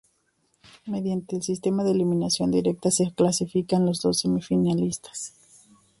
Mediante el sistema de eliminación directa se clasifican los dos semifinalistas.